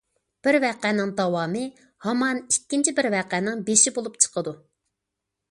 بىر ۋەقەنىڭ داۋامى ھامان ئىككىنچى بىر ۋەقەنىڭ بېشى بولۇپ چىقىدۇ.